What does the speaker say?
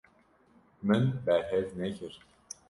Min berhev nekir.